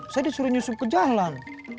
saya disuruh nyusup ke jalan